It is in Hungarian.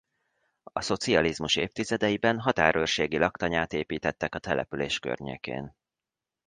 A szocializmus évtizedeiben határőrségi laktanyát építettek a település környékén.